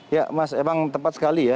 ya mas emang tepat sekali ya